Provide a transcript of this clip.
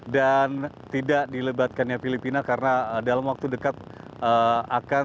dan tidak dilebatkannya filipina karena dalam waktu dekat akan